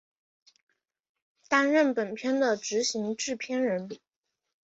担任本片的执行制片人。